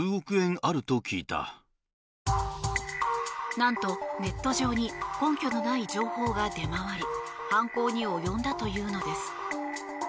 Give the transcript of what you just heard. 何と、ネット上に根拠のない情報が出回り犯行に及んだというのです。